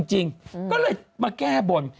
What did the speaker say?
จริงก็เลยมาแก้บน